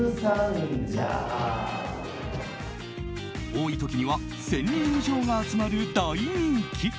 多い時には１０００人以上が集まる大人気。